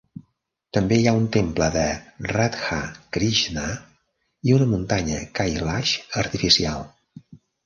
També hi ha un temple de Radha Krishna i una muntanya Kailash artificial.